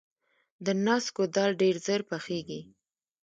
د نسکو دال ډیر ژر پخیږي.